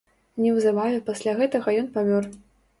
Неўзабаве пасля гэтага ён памёр.